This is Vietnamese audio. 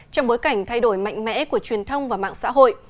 trong bối cảnh thay đổi mạnh mẽ của truyền thông và mạng xã hội